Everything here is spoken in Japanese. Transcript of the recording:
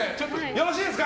よろしいですか？